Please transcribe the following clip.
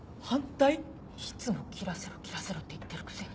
いつも「切らせろ切らせろ」って言ってるくせに。